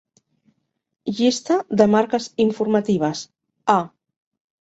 Llista de marques informatives: A